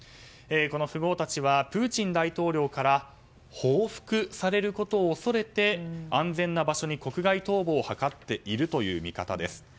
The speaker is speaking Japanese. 富豪たちはプーチン大統領から報復されることを恐れて安全な場所に国外逃亡を図っているという見方です。